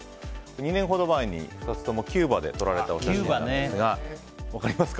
２年ほど前に２つともキューバで撮られたお写真ですが、分かりますか？